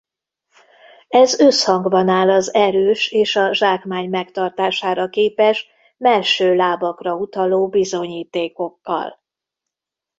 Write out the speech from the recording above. Ez összhangban áll az erős és a zsákmány megtartására képes mellső lábakra utaló bizonyítékokkal.